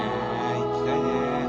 行きたいね。